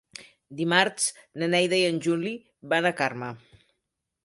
Dimarts na Neida i en Juli van a Carme.